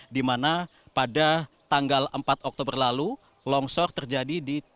di mana pada tanggal empat oktober lalu longsor terjadi di